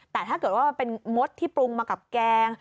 แต่ถ้าเกิดว่ามันเป็นมดที่ปรุงมากับแกง